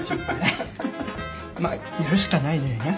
まあやるしかないのよね。